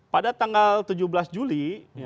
pada tanggal tujuh belas juli